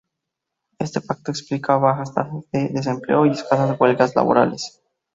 Este pacto explica bajas tasas de desempleo y escasas huelgas laborales.